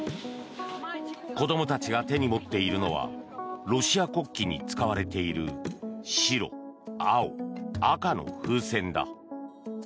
子供たちが手に持っているのはロシア国旗に使われている白、青、赤の風船だ。